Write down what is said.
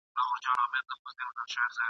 سهار دي نه سي !.